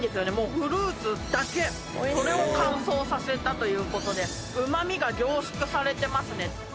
フルーツだけそれを乾燥させたということでうま味が凝縮されてますね。